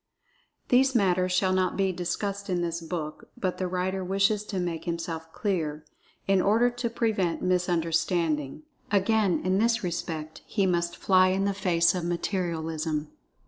These matters shall not be discussed in this book, but the writer wishes to make himself clear, in order to prevent misunderstanding. Again, in this respect, he must "fly in the face of Materialism."